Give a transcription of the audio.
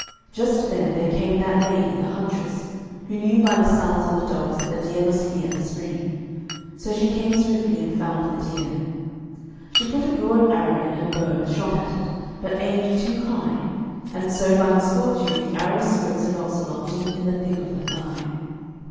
Just then there came that lady, the huntress, who knew by the sounds of the dogs that the deer must be at the spring. So she came swiftly and found the deer. She put a broad arrow in her bow, and shot at it, but aimed too high, and so by misfortune the arrow smote Sir Launcelot deep in the thick of the thigh.